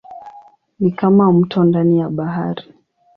Ni kama mto ndani ya bahari.